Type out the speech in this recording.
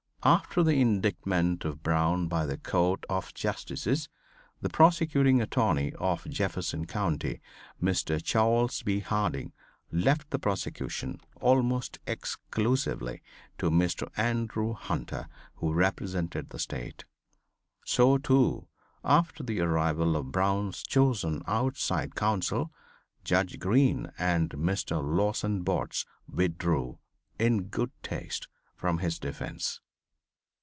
After the indictment of Brown by the court of justices, the prosecuting attorney of Jefferson county, Mr. Charles B. Harding left the prosecution almost exclusively to Mr. Andrew Hunter, who represented the State. So too, after the arrival of Brown's chosen outside counsel, Judge Green and Mr. Lawson Botts withdrew, in good taste, from his defense.